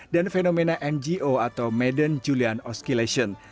dan fenomena ngo atau madden julian oscillation